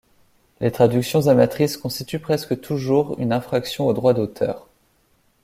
Les traductions amatrices constituent presque toujours une infraction au droit d'auteur.